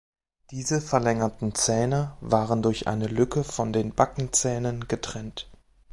Diese verlängerten Zähne waren durch eine Lücke von den Backenzähnen getrennt.